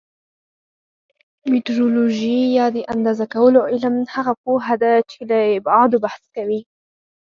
میټرولوژي یا د اندازه کولو علم هغه پوهه ده چې له ابعادو بحث کوي.